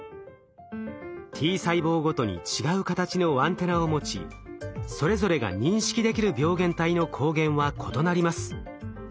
Ｔ細胞ごとに違う形のアンテナを持ちそれぞれが認識できる病原体の抗原は異なります。